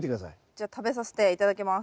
じゃあ食べさせて頂きます。